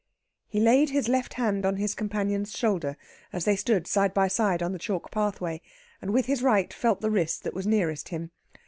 He laid his left hand on his companion's shoulder as they stood side by side on the chalk pathway, and with his right felt the wrist that was nearest him.